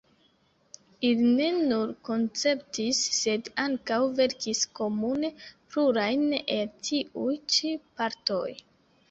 Ili ne nur konceptis, sed ankaŭ verkis komune plurajn el tiuj ĉi partoj.